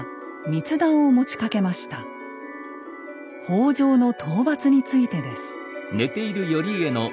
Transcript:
「北条の討伐」についてです。